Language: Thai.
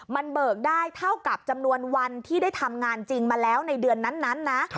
มันเบิกได้เท่ากับจำนวนวันที่ได้ทำงานจริงมาแล้วในเดือนนั้นนะ